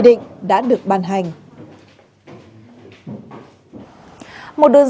với số tiền ba mươi triệu đồng